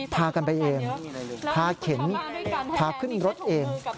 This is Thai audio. พากันไปเองพาเข็นพาขึ้นรถเอง